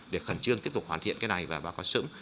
để khẩn trương tiếp tục hoàn thiện cái này và báo cáo sớm